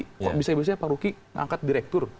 kok bisa bisa pak ruki ngangkat direktur